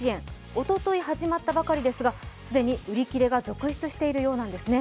おととい始まったばかりですが、既に売り切れが続出しているんですね。